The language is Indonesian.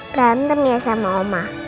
berantem ya sama oma